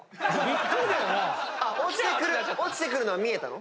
落ちてくるのは見えたの？